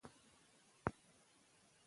د اټک اړوند سیمي د مهاراجا شوې.